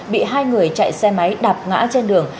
bị hai người chạy xe máy đạp ngã trên đường